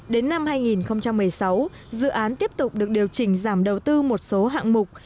đến năm hai nghìn một mươi sáu dự án tiếp tục được điều chỉnh giảm đầu tư một số hạng mục